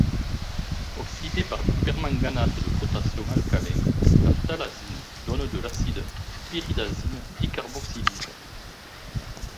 Oxydée par du permanganate de potassium alcalin, la phtalazine donne de l'acide pyridazine dicarboxylique.